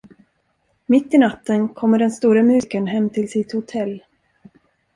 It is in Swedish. Mitt i natten kommer den store musikern hem till sitt hotell.